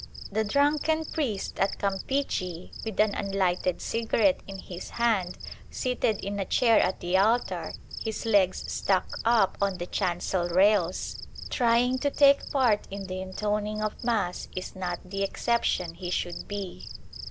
The drunken priest at Campeachy, with an unlighted cigarette in his hand, seated in a chair at the altar, his legs stuck up on the chancel rails, trying to take part in the intoning of Mass is not the exception he should be.